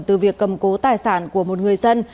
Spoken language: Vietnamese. từ việc cầm cố tài sản của một người dân